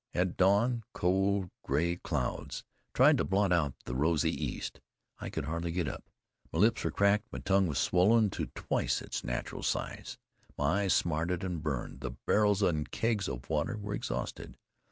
At dawn, cold, gray clouds tried to blot out the rosy east. I could hardly get up. My lips were cracked; my tongue swollen to twice its natural size; my eyes smarted and burned. The barrels and kegs of water were exhausted.